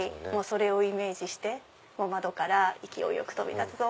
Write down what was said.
それをイメージして窓から勢いよく飛び立つぞ！